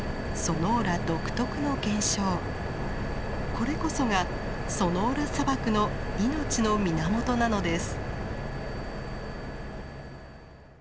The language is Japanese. これこそがソノーラ砂漠の命の源なのです。